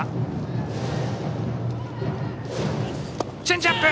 チェンジアップ！